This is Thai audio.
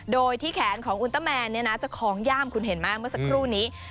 โดยที่แขนของอุณเตอร์แมนจะคล้องย่ามคุณเห็นไหมเมื่อสักครู่นี้